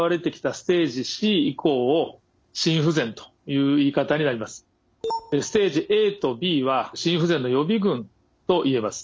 ステージＡとＢは心不全の予備軍と言えます。